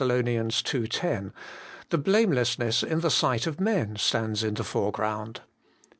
ii. 10), the blamelessness in the sight of men stands in the foreground.